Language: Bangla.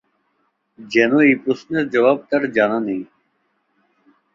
যেন এই প্রশ্নের জবাব তার জানা নেই।